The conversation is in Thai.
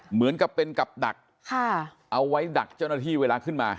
เหมือนกับเป็นกับดักเอาไว้ดักเจ้าหน้าที่เวลาขึ้นมา